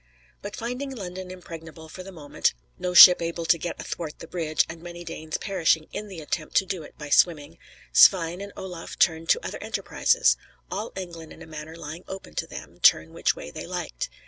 But finding London impregnable for the moment (no ship able to get athwart the bridge, and many Danes perishing in the attempt to do it by swimming), Svein and Olaf turned to other enterprises; all England in a manner lying open to them, turn which way they liked.